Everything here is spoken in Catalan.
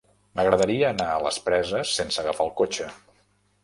M'agradaria anar a les Preses sense agafar el cotxe.